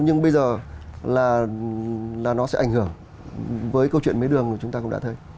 nhưng bây giờ là nó sẽ ảnh hưởng với câu chuyện mấy đường mà chúng ta cũng đã thấy